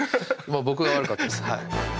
僕が悪かったです。